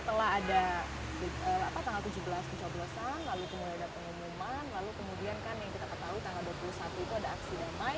lalu kemudian kan yang kita ketahui tanggal dua puluh satu itu ada aksi yang naik